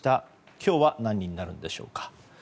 今日は何人になるのでしょうか。